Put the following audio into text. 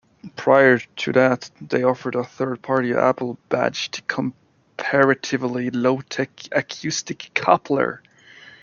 Prior to that they offered a third party Apple-badged comparatively low-tech acoustic coupler.